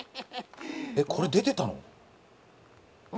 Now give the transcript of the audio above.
これ出てたの？